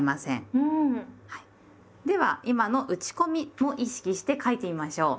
では今の打ち込みを意識して書いてみましょう。